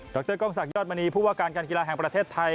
รกล้องศักดิยอดมณีผู้ว่าการการกีฬาแห่งประเทศไทย